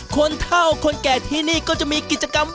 คนเท่าคนแก่ที่นี่ก็จะมีกิจกรรม